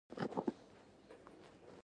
دانسان زينت دهغه اخلاق دي